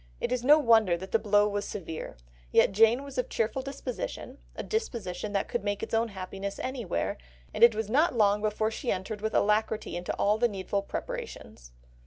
It is no wonder that the blow was severe, yet Jane was of a cheerful disposition, a disposition that could make its own happiness anywhere, and it was not long before she entered with alacrity into all the needful preparations.